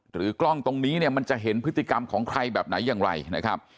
กล้องตรงนี้เนี่ยมันจะเห็นพฤติกรรมของใครแบบไหนอย่างไรนะครับ